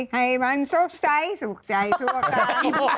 ให้มันสุขใสสุขใจทั่วกัน